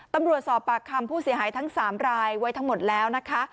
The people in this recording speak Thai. ตำรวจสอบปากคำผู้เสียหายทั้ง๓รายไว้ทั้งหมดแล้วนะคะ